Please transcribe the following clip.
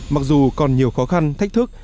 mặc dù còn nhiều khó khăn thách thức